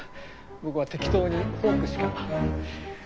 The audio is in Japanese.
僕は適当にフォークしか。